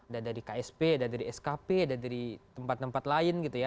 ada dari ksp ada dari skp ada dari tempat tempat lain gitu ya